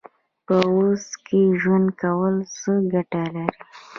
په اوس کې ژوند کول څه ګټه لري؟